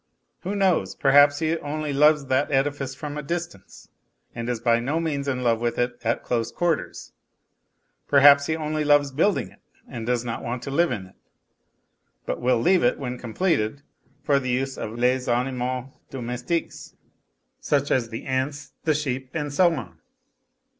Who knows, perhaps he only loves that edifice from a distance, and is by no means in love with it at close quarters ; perhaps he only loves building it and does not want to live in it, but will leave it, when completed, for the use of les animaux domestiques such as the ants, the sheep, and so on.